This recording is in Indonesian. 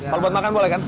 kalau buat makan boleh kan